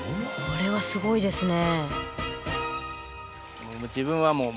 これはすごいですね。